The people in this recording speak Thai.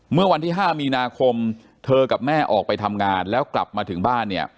เมื่อวันที่๕มีนาคมเธอกับแม่ออกไปทำงานแล้วกลับมาถึงบ้านเนี่ย